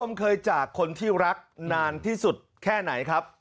ผมเคยจากคนที่รักนานที่สุดแค่ไหนครับ